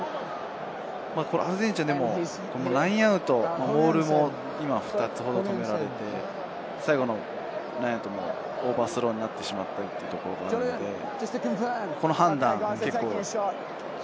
アルゼンチンはラインアウト、モールも２つほど止められて、最後のラインアウトもオーバースローになってしまったり、この判断は結構。